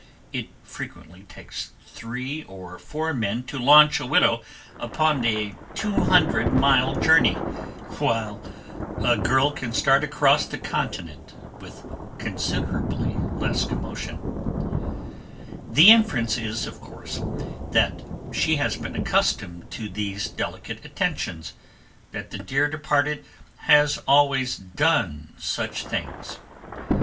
It frequently takes three or four men to launch a widow upon a two hundred mile journey, while a girl can start across the continent with considerably less commotion. [Sidenote: The Inference] The inference is, of course, that she has been accustomed to these delicate attentions that the dear departed has always done such things.